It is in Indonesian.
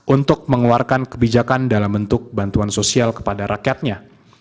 untuk mengeluarkan kebijakan dalam bentuk bantuan sosial kepada rakyatnya